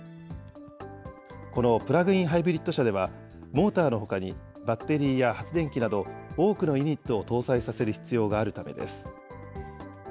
このプラグインハイブリッド車では、モーターのほかに、バッテリーや発電機など、多くのユニットを搭載させる必要があるためです。